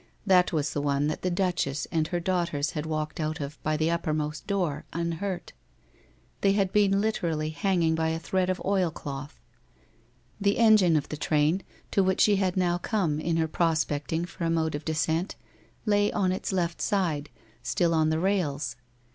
That was the one that the Duchess and her daugh ters had walked out of by the uppermost door, unhurt. They had been literally hanging by a thread of oilcloth. The engine of the train, to which she had now come in her prospecting for a mode of descent, lay on its left side, still on the rails.